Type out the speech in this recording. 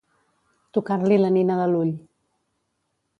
Tocar-li la nina de l'ull.